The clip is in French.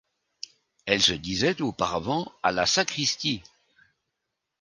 Elles se disaient auparavant à la sacristie.